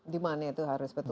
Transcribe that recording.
dimannya itu harus betul betul